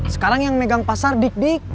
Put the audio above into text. sekarang yang megang pasar dik dik